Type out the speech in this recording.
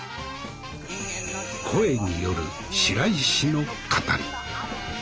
「声」による白石の語り。